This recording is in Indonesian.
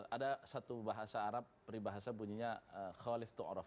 ada satu bahasa arab peribahasa bunyinya khalif to'orof